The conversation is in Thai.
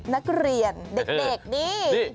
นักเรียนเด็กนี่